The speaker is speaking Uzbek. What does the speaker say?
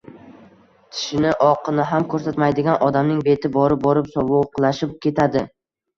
tishining oqini ham ko‘rsatmaydigan odamning beti borib-borib sovuqlashib ketadi.